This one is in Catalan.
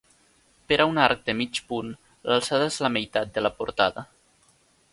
Per a un arc de mig punt, l'alçada és la meitat de la portada.